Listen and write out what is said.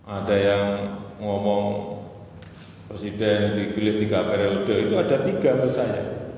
ada yang ngomong presiden dipilih tiga periode itu ada tiga menurut saya